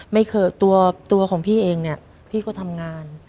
ไม่เคยตัวของพี่เองเนี่ยพี่ก็ทำงาน